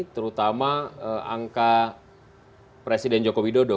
terutama angka presiden jokowi dodo